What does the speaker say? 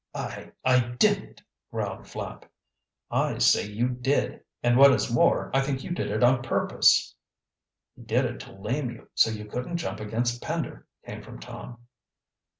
"I I didn't," growled Flapp. "I say you did and what is more, I think you did it on purpose." "He did it to lame you, so you couldn't jump against Pender," came from Tom.